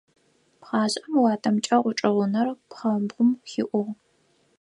Пхъашӏэм уатэмкӏэ гъучӏыӏунэр пхъмэбгъум хиӏугъ.